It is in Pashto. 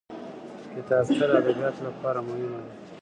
کتابچه د ادبیاتو لپاره مهمه ده